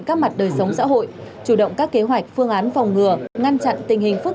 các mặt đời sống xã hội chủ động các kế hoạch phương án phòng ngừa ngăn chặn tình hình phức